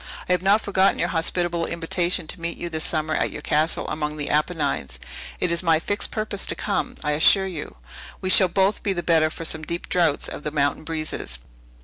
I have not forgotten your hospitable invitation to meet you this summer at your castle among the Apennines. It is my fixed purpose to come, I assure you. We shall both be the better for some deep draughts of the mountain breezes."